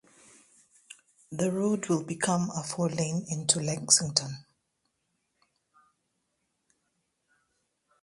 The road will become a four lane into Lexington.